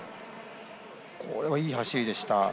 これはいい走りでした。